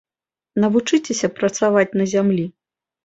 Навучыцеся працаваць на зямлі.